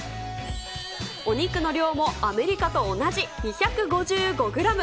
お肉の量もアメリカと同じ、２５５グラム。